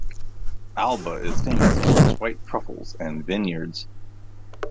Alba is famous for its white truffles and vineyards.